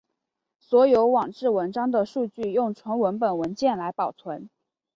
所有网志文章的数据用纯文本文件来保存。